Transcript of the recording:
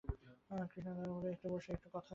কৃষ্ণদয়াল কহিলেন, একটু বোসো, একটা কথা আছে।